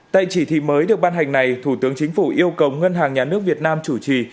tại chỉ thị mới được ban hành này thủ tướng chính phủ yêu cầu ngân hàng nhà nước việt nam chủ trì